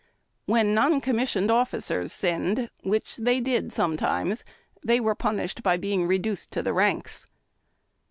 When non commissioned officers sinned, which they did sometimes, they were punished by being reduced to the ranks.